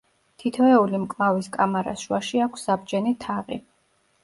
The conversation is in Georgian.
თითოეული მკლავის კამარას შუაში აქვს საბჯენი თაღი.